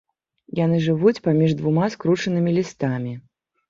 Яны жывуць паміж двума скручанымі лістамі.